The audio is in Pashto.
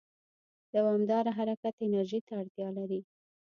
دوامداره حرکت انرژي ته اړتیا لري.